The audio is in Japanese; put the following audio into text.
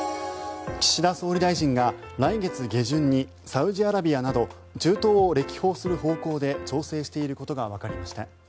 岸田総理大臣が来月下旬にサウジアラビアなど中東を歴訪する方向で調整していることがわかりました。